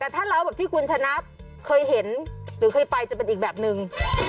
แต่ถ้าเล้าแบบที่คุณชนะเคยเห็นหรือเคยไปจะเป็นอีกแบบนึง